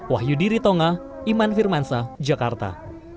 wahyu diritonga iman firmansa jakarta